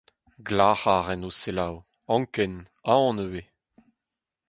Glac'har en o selloù, anken, aon ivez.